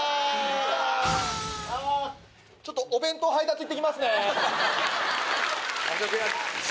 ちょっとお弁当配達行ってきますね。